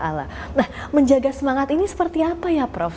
nah menjaga semangat ini seperti apa ya prof